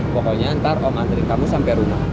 pokoknya ntar om anterin kamu sampe rumah